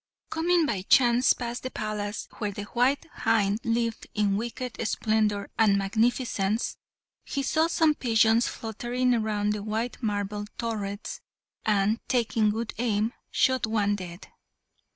Coming by chance past the palace where the white hind lived in wicked splendour and magnificence, he saw some pigeons fluttering round the white marble turrets, and, taking good aim, shot one dead.